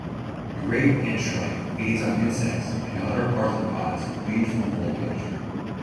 The great antshrike feeds on insects and other arthropods gleaned from foliage.